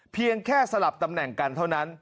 เพียงแค่สลับตำแหน่งกันเท่านั้น